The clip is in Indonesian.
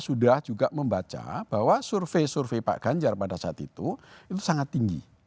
sudah juga membaca bahwa survei survei pak ganjar pada saat itu itu sangat tinggi